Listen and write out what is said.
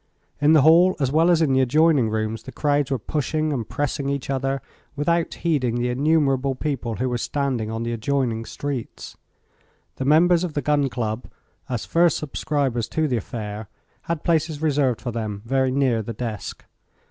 In the hall as well as in the adjoining rooms the crowds were pushing and pressing each other without heeding the innumerable people who were standing on the adjoining streets. The members of the Gun Club, as first subscribers to the affair, had places reserved for them very near the desk.